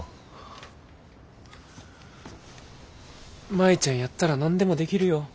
舞ちゃんやったら何でもできるよ。